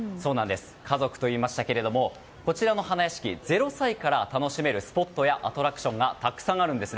家族と言いましたけれどもこちらの花やしき０歳から楽しめるスポットやアトラクションがたくさんあります。